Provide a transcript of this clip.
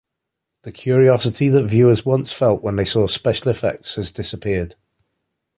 The curiosity that viewers once felt when they saw special effects has disappeared.